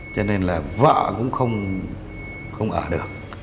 cho nên là vợ cũng không ở được